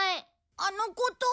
「あのこと」？